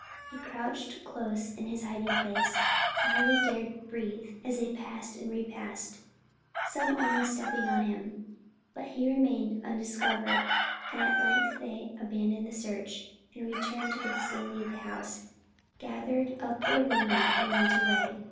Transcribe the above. He crouched close in his hiding place, and hardly dared breathe as they passed and repassed, some almost stepping on him. But he remained undiscovered, and at length they abandoned the search, and returning to the vicinity of the house, gathered up their wounded and went away.